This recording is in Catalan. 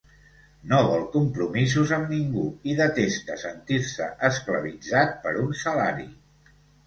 No vol compromisos amb ningú i detesta sentir-se esclavitzat per un salari.